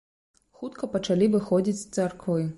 Хутка пачалі выходзіць з царквы.